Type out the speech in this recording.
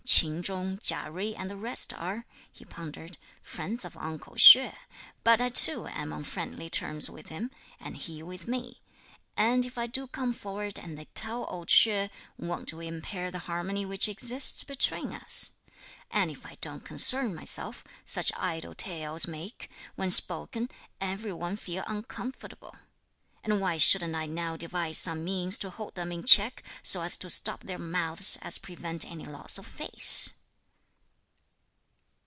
"Chin Jung, Chia Jui and the rest are," he pondered, "friends of uncle Hsüeh, but I too am on friendly terms with him, and he with me, and if I do come forward and they tell old Hsüeh, won't we impair the harmony which exists between us? and if I don't concern myself, such idle tales make, when spoken, every one feel uncomfortable; and why shouldn't I now devise some means to hold them in check, so as to stop their mouths, and prevent any loss of face!"